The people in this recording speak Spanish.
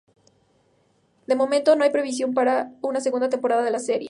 De momento, no hay previsión para una segunda temporada de la serie.